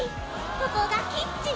ここがキッチン！